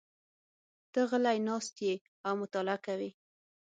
ته غلی ناست یې او مطالعه کوې.